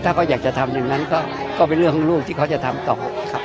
ถ้าเขาอยากจะทำอย่างนั้นก็เป็นเรื่องของลูกที่เขาจะทำต่อครับ